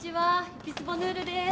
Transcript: エピスボヌールです！